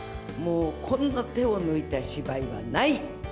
もうこんな手を抜いた芝居はない。